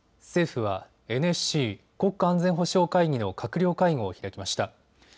政府はＮＳＣ・国家安全保障会議の閣僚会合を開きました。